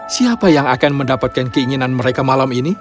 siapa yang akan mendapatkan keinginan mereka malam ini